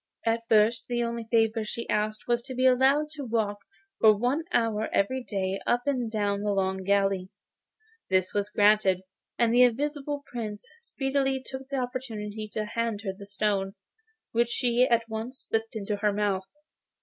At first the only favour she asked was to be allowed to walk for one hour every day up and down the long gallery. This was granted, and the Invisible Prince speedily took the opportunity of handing her the stone, which she at once slipped into her mouth.